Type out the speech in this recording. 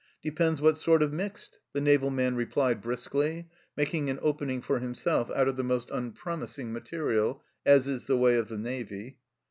" Depends what sort of * mixed,' " the naval man replied briskly, making an opening for himself out of the most unpromising material, as is the way of the navy.